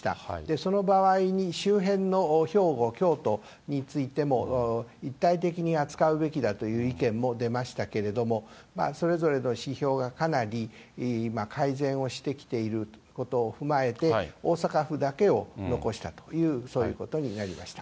その場合に周辺の兵庫、京都についても、一体的に扱うべきだという意見も出ましたけれども、それぞれの指標がかなり今、改善をしてきていることを踏まえて、大阪府だけを残したという、そういうことになりました。